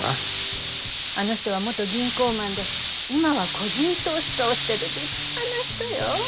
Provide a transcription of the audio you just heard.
あの人は元銀行マンで今は個人投資家をしてる立派な人よ。